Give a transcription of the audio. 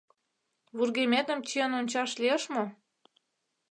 — Вургеметым чиен ончаш лиеш мо?